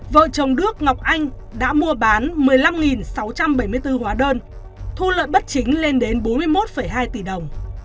vợ chồng đức ngọc anh đã mua bán một mươi năm sáu trăm bảy mươi bốn hóa đơn thu lợi bất chính lên đến bốn mươi một hai tỷ đồng